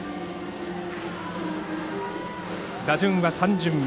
打順は３巡目。